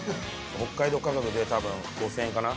北海道価格で多分５，０００円かな。